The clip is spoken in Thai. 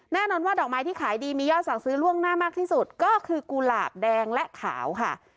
แน่นอนว่าดอกไม้ที่ขายดีมียอดสั่งซื้อล่วงหน้ามากที่สุดก็คือกุหลาบแดงและขาวค่ะ